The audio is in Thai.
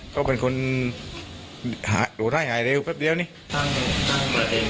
ก็เป็นคนหายห่วงท่ายหายเร็วแป๊บเดียวนี่นั่งนั่งกระเด็นนั่งเขาสังเกตอะไรมันก็เรียน